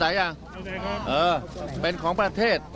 ท่านการโทษนะ